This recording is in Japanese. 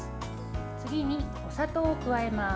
次に、お砂糖を加えます。